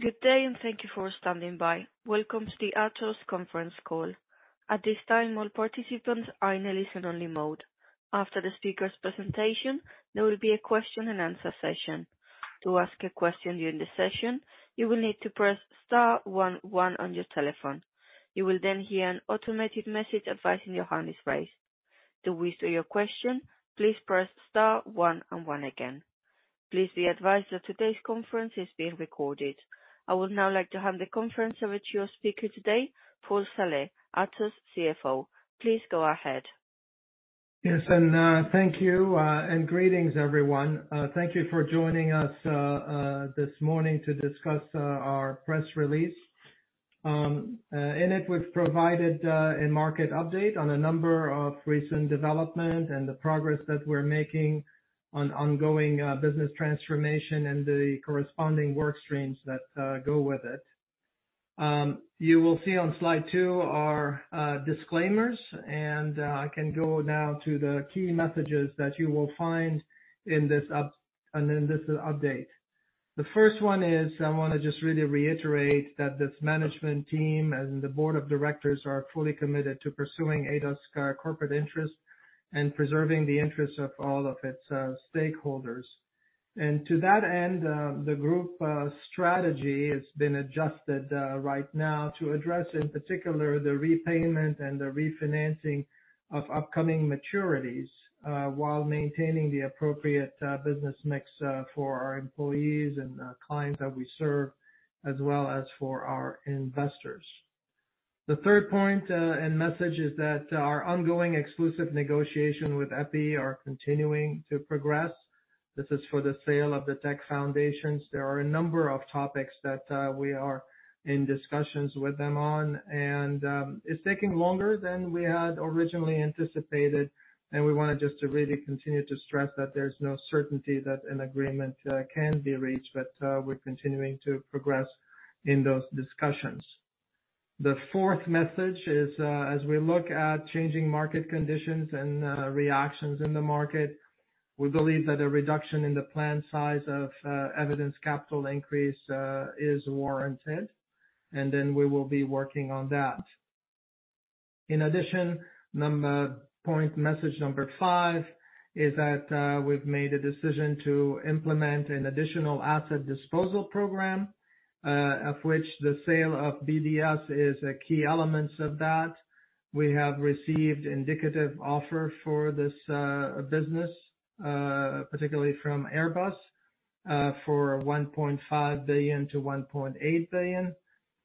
Good day, and thank you for standing by. Welcome to the Atos conference call. At this time, all participants are in a listen-only mode. After the speaker's presentation, there will be a question-and-answer session. To ask a question during the session, you will need to press star one one on your telephone. You will then hear an automated message advising your hand is raised. To withdraw your question, please press star one and one again. Please be advised that today's conference is being recorded. I would now like to hand the conference over to your speaker today, Paul Saleh, Atos CFO. Please go ahead. Yes, and, thank you, and greetings, everyone. Thank you for joining us, this morning to discuss, our press release. In it, we've provided, a market update on a number of recent development and the progress that we're making on ongoing, business transformation and the corresponding work streams that, go with it. You will see on slide 2 our, disclaimers, and, I can go now to the key messages that you will find in this update. The first one is, I wanna just really reiterate that this management team and the board of directors are fully committed to pursuing Atos, corporate interest and preserving the interests of all of its, stakeholders. To that end, the group strategy has been adjusted right now to address, in particular, the repayment and the refinancing of upcoming maturities while maintaining the appropriate business mix for our employees and clients that we serve, as well as for our investors. The third point and message is that our ongoing exclusive negotiation with EPEI are continuing to progress. This is for the sale of the Tech Foundations. There are a number of topics that we are in discussions with them on, and it's taking longer than we had originally anticipated, and we wanted just to really continue to stress that there's no certainty that an agreement can be reached, but we're continuing to progress in those discussions. The fourth message is, as we look at changing market conditions and, reactions in the market, we believe that a reduction in the planned size of, Eviden capital increase, is warranted, and then we will be working on that. In addition, message number five is that, we've made a decision to implement an additional asset disposal program, of which the sale of BDS is a key elements of that. We have received indicative offer for this, business, particularly from Airbus, for 1.5 billion-1.8 billion,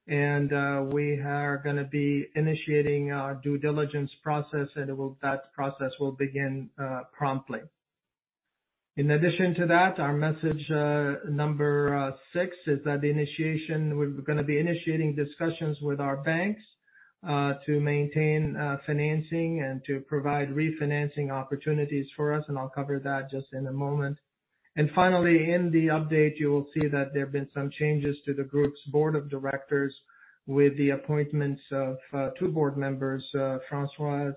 and, we are gonna be initiating a due diligence process, and that process will begin, promptly. In addition to that, our message, number, six, is that the initiation. We're gonna be initiating discussions with our banks to maintain financing and to provide refinancing opportunities for us, and I'll cover that just in a moment. Finally, in the update, you will see that there have been some changes to the group's board of directors with the appointments of two board members, Françoise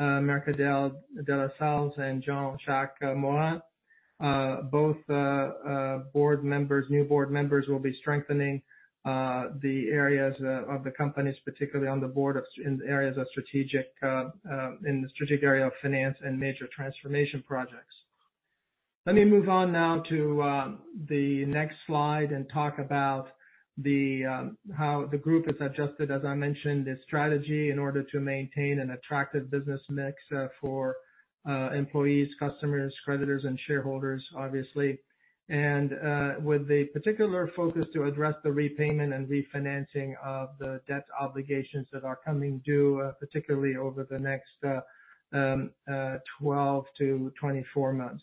Mercadal-Delasalles and Jean-Jacques Morin. Both new board members will be strengthening the areas of the companies, particularly in the strategic area of finance and major transformation projects. Let me move on now to the next slide and talk about the how the group has adjusted, as I mentioned, its strategy in order to maintain an attractive business mix for employees, customers, creditors, and shareholders, obviously, and with a particular focus to address the repayment and refinancing of the debt obligations that are coming due, particularly over the next 12-24 months.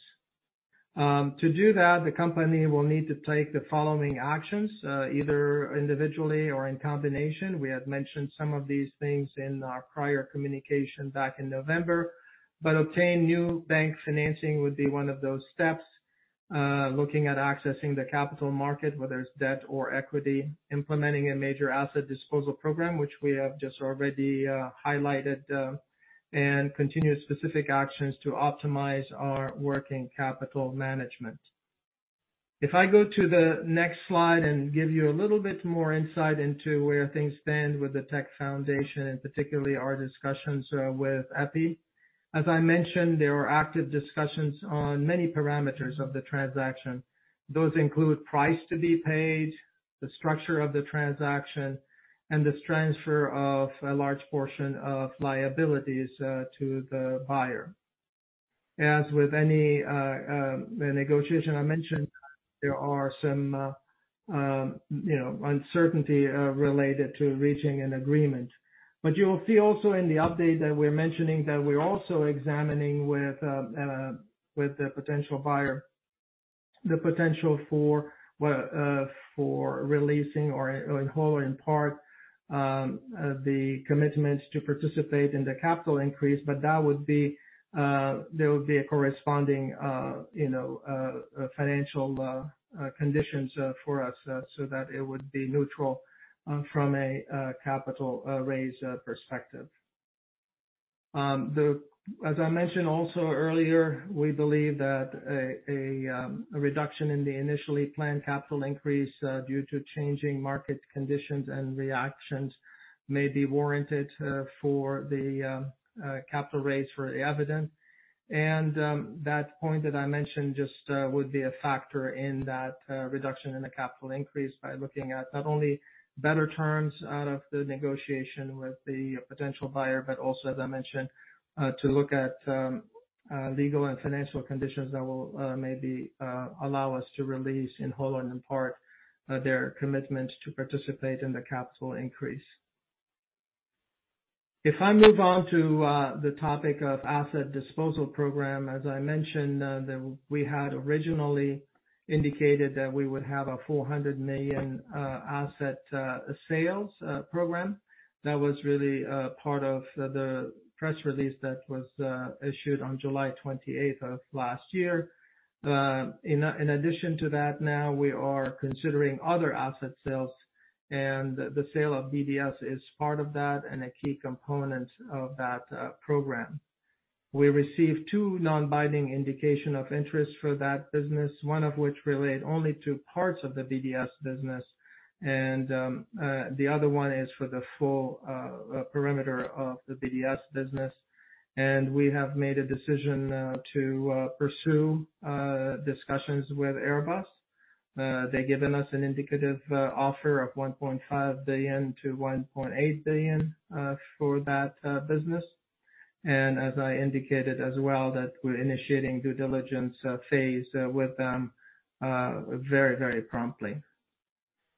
To do that, the company will need to take the following actions, either individually or in combination. We have mentioned some of these things in our prior communication back in November. Obtain new bank financing would be one of those steps, looking at accessing the capital market, whether it's debt or equity, implementing a major asset disposal program, which we have just already highlighted, and continue specific actions to optimize our working capital management. If I go to the next slide and give you a little bit more insight into where things stand with the Tech Foundations, and particularly our discussions with EPEI. As I mentioned, there are active discussions on many parameters of the transaction. Those include price to be paid, the structure of the transaction, and the transfer of a large portion of liabilities to the buyer. As with any negotiation I mentioned, there are some, you know, uncertainty related to reaching an agreement. But you will see also in the update that we're mentioning, that we're also examining with the potential buyer the potential for, well, for releasing the whole or in part the commitment to participate in the capital increase, but that would be... There would be a corresponding, you know, financial conditions for us, so that it would be neutral from a capital raise perspective. As I mentioned also earlier, we believe that a reduction in the initially planned capital increase due to changing market conditions and reactions may be warranted for the capital raise for Eviden. That point that I mentioned just would be a factor in that reduction in the capital increase by looking at not only better terms out of the negotiation with the potential buyer, but also, as I mentioned, to look at legal and financial conditions that will maybe allow us to release in whole and in part their commitment to participate in the capital increase. If I move on to the topic of asset disposal program, as I mentioned, that we had originally indicated that we would have a 400 million asset sales program. That was really part of the press release that was issued on July twenty-eighth of last year. In addition to that, now we are considering other asset sales, and the sale of BDS is part of that and a key component of that program. We received two non-binding indication of interest for that business, one of which relate only to parts of the BDS business, and the other one is for the full perimeter of the BDS business. We have made a decision to pursue discussions with Airbus. They've given us an indicative offer of 1.5 billion-1.8 billion for that business. As I indicated as well, that we're initiating due diligence phase with them very, very promptly.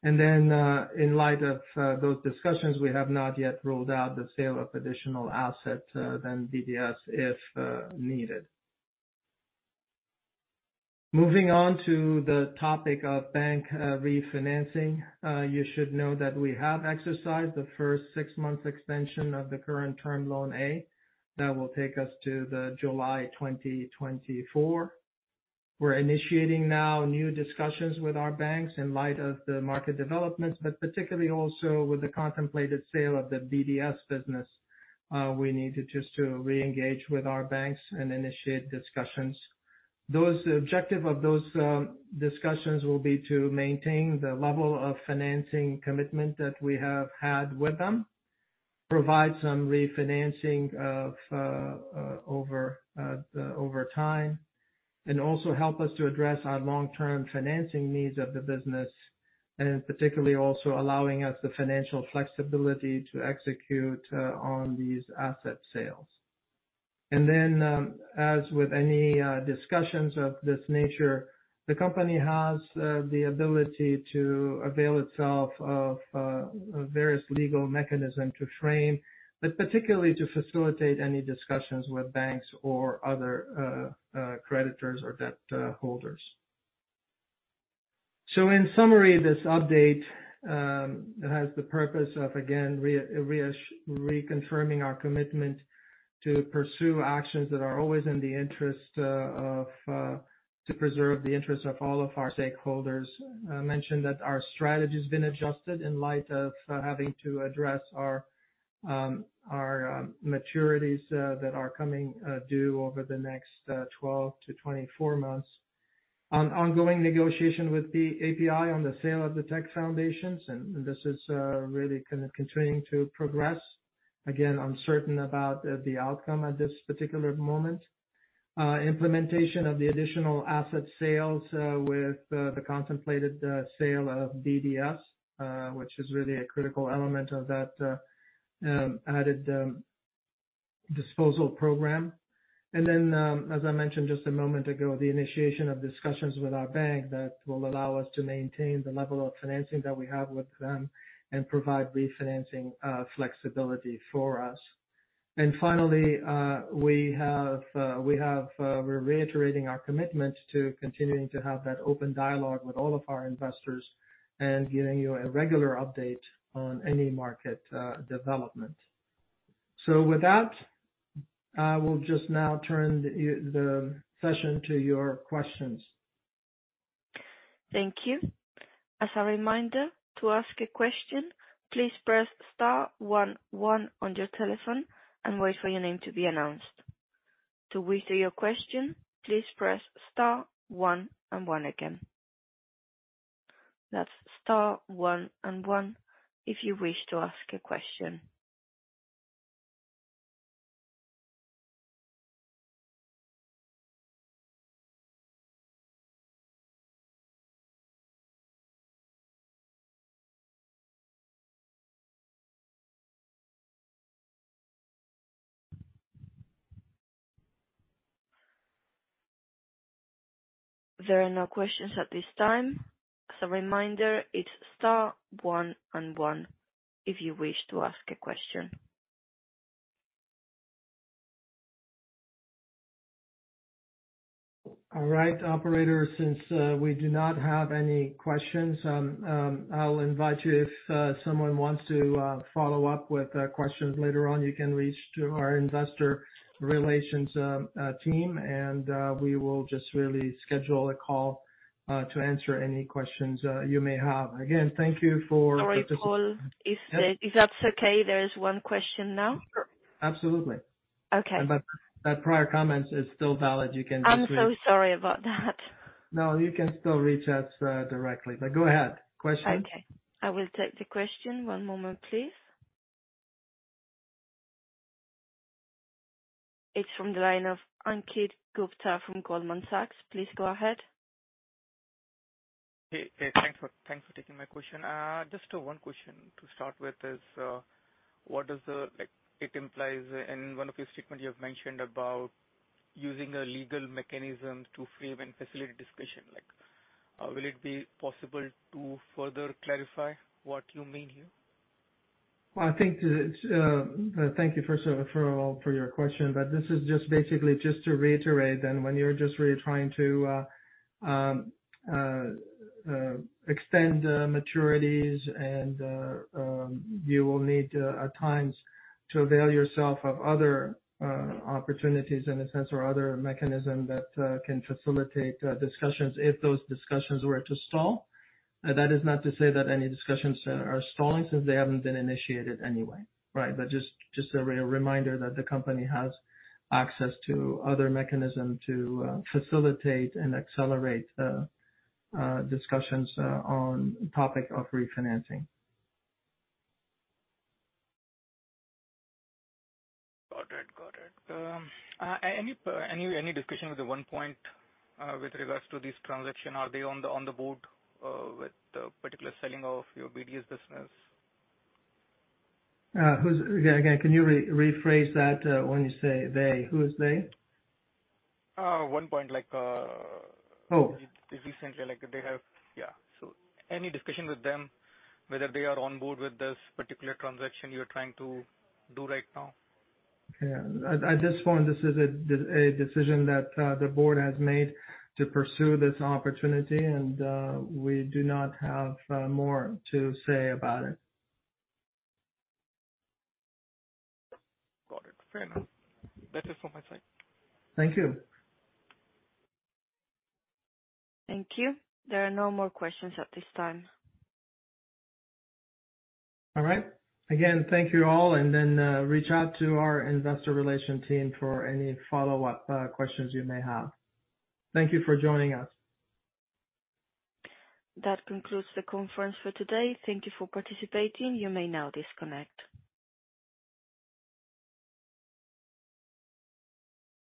And then, in light of those discussions, we have not yet ruled out the sale of additional assets than BDS if needed. Moving on to the topic of bank refinancing. You should know that we have exercised the first 6-month extension of the current Term Loan A, that will take us to July 2024. We're initiating now new discussions with our banks in light of the market developments, but particularly also with the contemplated sale of the BDS business. We need just to reengage with our banks and initiate discussions. The objective of those discussions will be to maintain the level of financing commitment that we have had with them, provide some refinancing of over time, and also help us to address our long-term financing needs of the business, and particularly also allowing us the financial flexibility to execute on these asset sales. And then, as with any discussions of this nature, the company has the ability to avail itself of various legal mechanism to frame, but particularly to facilitate any discussions with banks or other creditors or debt holders. So in summary, this update has the purpose of, again, reconfirming our commitment to pursue actions that are always in the interest of to preserve the interest of all of our stakeholders. I mentioned that our strategy has been adjusted in light of having to address our maturities that are coming due over the next 12-24 months. Our ongoing negotiation with the EPEI on the sale of Tech Foundations, and this is really kind of continuing to progress. Again, uncertain about the outcome at this particular moment. Implementation of the additional asset sales, with the contemplated sale of BDS, which is really a critical element of that added disposal program. And then, as I mentioned just a moment ago, the initiation of discussions with our bank that will allow us to maintain the level of financing that we have with them and provide refinancing flexibility for us. Finally, we're reiterating our commitment to continuing to have that open dialogue with all of our investors and giving you a regular update on any market development. So with that, I will just now turn the session to your questions. Thank you. As a reminder, to ask a question, please press star one, one on your telephone and wait for your name to be announced. To withdraw your question, please press star one and one again. That's star one and one if you wish to ask a question. There are no questions at this time. As a reminder, it's star one and one if you wish to ask a question. All right, operator, since we do not have any questions, I'll invite you if someone wants to follow up with questions later on, you can reach to our investor relations team, and we will just really schedule a call to answer any questions you may have. Again, thank you for- Sorry, Paul. Yes. Is that, is that okay? There is one question now. Absolutely. Okay. But that prior comment is still valid. You can- I'm so sorry about that.... No, you can still reach us directly, but go ahead. Question? Okay, I will take the question. One moment, please. It's from the line of Ankit Gupta from Goldman Sachs. Please go ahead. Hey, hey, thanks for taking my question. Just one question to start with is what does the—like it implies in one of your statement, you have mentioned about using a legal mechanism to frame and facilitate discussion. Like, will it be possible to further clarify what you mean here? Well, I think, thank you, first of all, for your question, but this is just basically to reiterate, and when you're just really trying to extend maturities and you will need, at times to avail yourself of other opportunities in a sense, or other mechanism that can facilitate discussions if those discussions were to stall. That is not to say that any discussions are stalling since they haven't been initiated anyway, right? But just a reminder that the company has access to other mechanism to facilitate and accelerate discussions on topic of refinancing. Got it. Got it. Any discussion with Onepoint with regards to this transaction? Are they on the board with the particular selling of your BDS business? Who's... Again, can you rephrase that? When you say they, who is they? Onepoint, like Oh. Recently, like they have... Yeah. So any discussion with them, whether they are on board with this particular transaction you're trying to do right now? Yeah. At this point, this is a decision that the board has made to pursue this opportunity, and we do not have more to say about it. Got it. Fair enough. That is for my side. Thank you. Thank you. There are no more questions at this time. All right. Again, thank you all, and then reach out to our investor relation team for any follow-up questions you may have. Thank you for joining us. That concludes the conference for today. Thank you for participating. You may now disconnect.